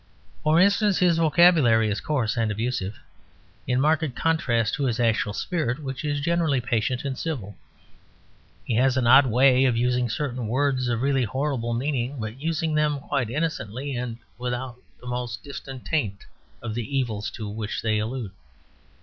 For instance, his vocabulary is coarse and abusive, in marked contrast to his actual spirit, which is generally patient and civil. He has an odd way of using certain words of really horrible meaning, but using them quite innocently and without the most distant taint of the evils to which they allude.